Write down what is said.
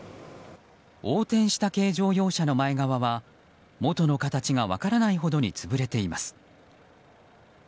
横転した軽乗用車の前側は元の形が分からないほどに潰れています。